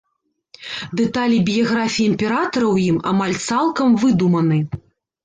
Дэталі біяграфіі імператара ў ім амаль цалкам выдуманы.